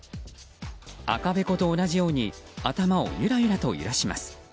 赤べこと同じように頭をゆらゆらと揺らします。